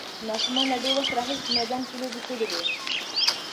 ماشومانو له ډېر وخت راهیسې په میدان کې لوبې کړې وې.